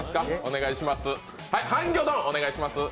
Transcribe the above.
ハンギョドンお願いします。